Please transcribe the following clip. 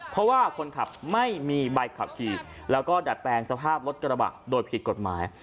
เพราะว่าคนขับไม่มีใบขับขี่แล้วก็ดัดแปลงสภาพรถกระบะโดยผิดกฎหมาย